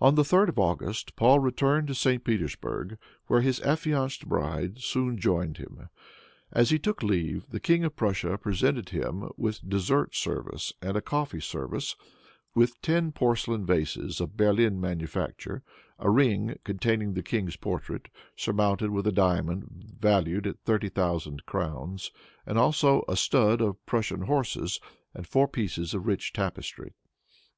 On the 3d of August, Paul returned to St. Petersburg, where his affianced bride soon joined him. As he took leave, the King of Prussia presented him with dessert service and a coffee service, with ten porcelain vases of Berlin manufacture, a ring, containing the king's portrait, surmounted with a diamond valued at thirty thousand crowns, and also a stud of Prussian horses and four pieces of rich tapestry.